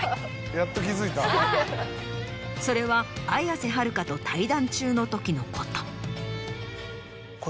それは綾瀬はるかと対談中のときのこと。